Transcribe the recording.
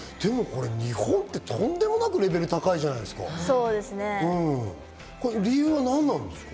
日本ってとんでもなくレベル高いじゃないですか、理由はなんなんですか？